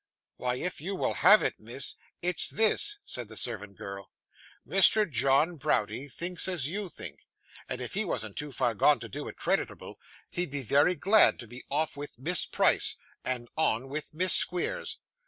'Why, if you will have it, miss, it's this,' said the servant girl. 'Mr John Browdie thinks as you think; and if he wasn't too far gone to do it creditable, he'd be very glad to be off with Miss Price, and on with Miss Squeers.